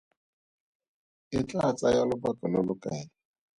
E tlaa tsaya lobaka lo lo kae?